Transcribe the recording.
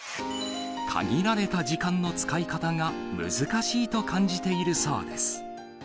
限られた時間の使い方が難しいと感じているそうです。